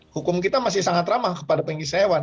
hukum kita masih sangat ramah kepada pengisi hewan